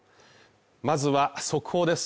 まずは速報です。